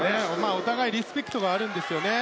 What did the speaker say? お互いにリスペクトがあるんですね。